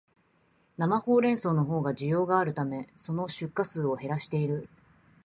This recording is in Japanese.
生ホウレンソウのほうが需要があるため、その出荷数を減らしている